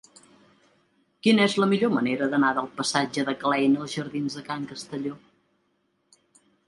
Quina és la millor manera d'anar del passatge de Klein als jardins de Can Castelló?